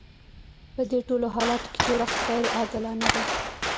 په دې ټولو حالاتو کې جوړښت غیر عادلانه دی.